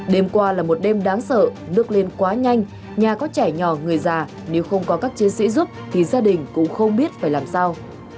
đêm qua là một đêm đáng sợ nước lên quá nhanh nhà có trẻ nhỏ người già nếu không có các chiến sĩ giúp thì gia đình cũng không biết phải làm sao